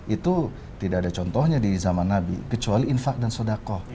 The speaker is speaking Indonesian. itu tidak ada contohnya di zaman nabi kecuali infak dan sodakoh